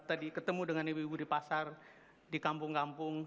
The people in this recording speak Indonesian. tadi ketemu dengan ibu ibu di pasar di kampung kampung